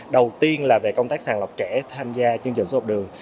đầu tiên là về công tác sàng lọc trẻ tham gia chương trình sữa học đường